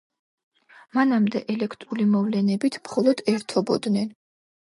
მანამდე ელექტრული მოვლენებით მხოლოდ ერთობოდნენ.